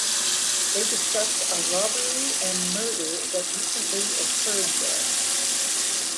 They discuss a robbery and murder that recently occurred there.